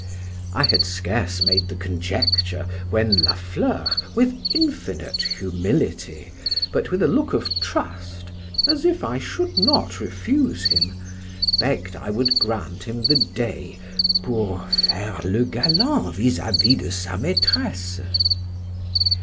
I had scarce made the conjecture, when La Fleur, with infinite humility, but with a look of trust, as if I should not refuse him, begg'd I would grant him the day, pour faire le galant vis à vis de sa maîtresse.